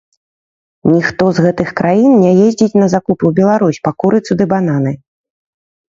Ніхто з гэтых краін не ездзіць на закупы ў Беларусь па курыцу ды бананы.